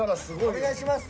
お願いします。